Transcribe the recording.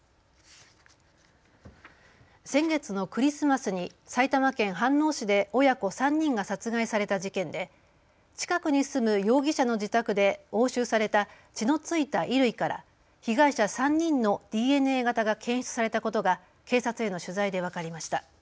先月のクリスマスに埼玉県飯能市で親子３人が殺害された事件で近くに住む容疑者の自宅で押収された血の付いた衣類から被害者３人のＤＮＡ型が検出されたことが警察への取材で分かりました。